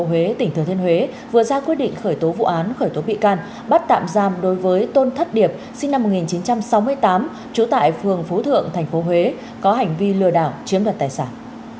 cơ quan cảnh sát điều tra công an tp huế vừa ra quy định khởi tố vụ án khởi tố bị can bắt tạm giam đối với tôn thất điệp sinh năm một nghìn chín trăm sáu mươi tám trú tại phường phú thượng tp huế có hành vi lừa đảo chiếm đoạt tài sản